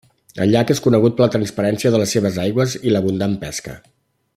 El llac és conegut per la transparència de les seves aigües i l'abundant pesca.